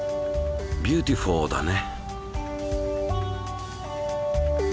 ビューティフルだね。